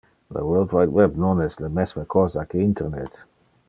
Le world wide web non es le mesme cosa que internet.